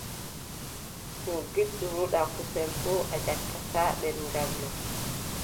No ngiɗruɗaa kusel fuu, a yakkataa ɗemngal maa.